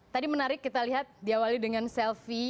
tadi menarik kita lihat diawali dengan selfie